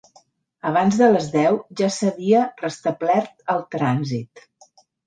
Abans de les deu ja s’havia restablert el trànsit.